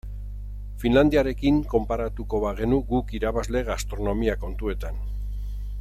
Finlandiarekin konparatuko bagenu guk irabazle gastronomia kontuetan.